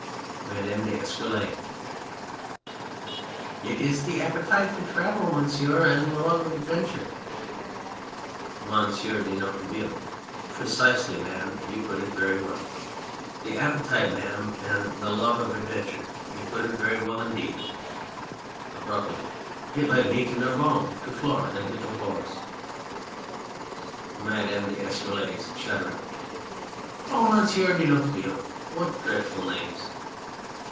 MADAME D'ESCUROLLES. It is the appetite for travel, Monsieur, and the love of adventure. MONSIEUR DE NOIRETABLE. Precisely, Madame, you put it very well ... the appetite, Madame, and the love ... of adventure ... you put it very well 208 Compiegne indeed. (Abruptly.} It led me to Narbonne, to Florae, and to Cahors. MADAME D'ESCUROLLES (shuddering). Oh ! Monsieur de Noiretable ! What dreadful names